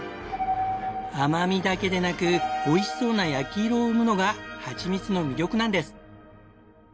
甘みだけでなくおいしそうな焼き色を生むのがはちみつの魅力なんです。